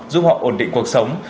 giúp họ ổn định cuộc sống